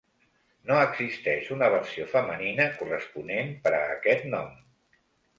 No existeix una versió femenina corresponent per a aquest nom.